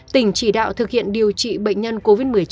tỉnh chỉ đạo thực hiện điều trị bệnh nhân covid một mươi chín